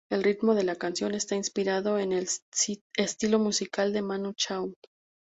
El ritmo de la canción está inspirado en el estilo musical de Manu Chao.